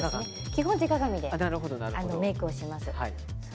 基本手鏡でメイクをします。